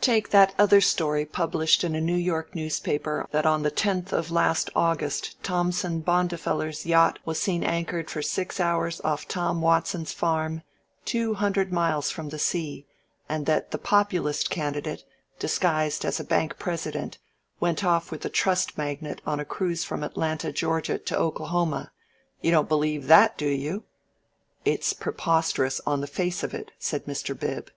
Take that other story published in a New York newspaper that on the 10th of last August Thompson Bondifeller's yacht was seen anchored for six hours off Tom Watson's farm, two hundred miles from the sea, and that the Populist candidate, disguised as a bank president, went off with the trust magnate on a cruise from Atlanta, Georgia, to Oklahoma you don't believe that, do you?" "It's preposterous on the face of it," said Mr. Bib.